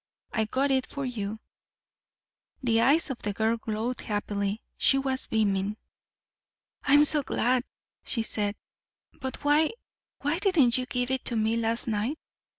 I got it for you " The eyes of the girl glowed happily. She was beaming. "I'm so glad," she said. "But why why didn't you give it to me last night?